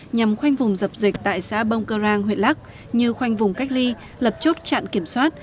nhằm khoanh vùng dập dịch tại xã bông cơ rang huyện lắc như khoanh vùng cách ly lập chốt chặn kiểm soát